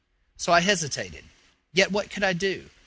So I hesitated, yet what could I do?